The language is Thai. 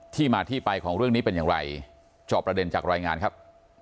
ที่มาที่ไปของเรื่องนี้เป็นอย่างไรจอบประเด็นจากรายงานครับ